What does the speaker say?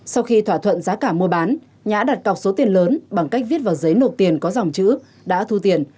sau khi thỏa thuận giá cả mua bán nhã đặt cọc số tiền lớn bằng cách viết vào giấy nộp tiền có dòng chữ đã thu tiền